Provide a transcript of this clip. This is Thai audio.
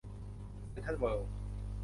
เซ็นทรัลเวิลด์